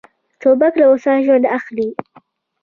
توپک له استاد ژوند اخلي.